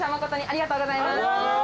ありがとうございます。